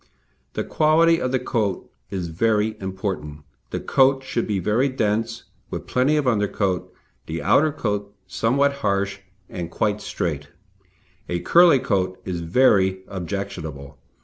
The quality of the coat is very important; the coat should be very dense, with plenty of undercoat; the outer coat somewhat harsh and quite straight. A curly coat is very objectionable.